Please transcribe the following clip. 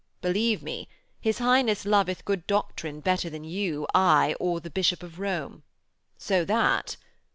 Believe me, his Highness loveth good doctrine better than you, I, or the Bishop of Rome. So that....'